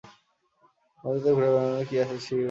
সমুদ্র তীরে ঘুরে বেড়ানোর জন্যে আছে সী বাইক ও ঘোড়া।